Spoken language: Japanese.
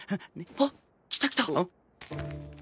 あっ来た来た。